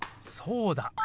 そうだ。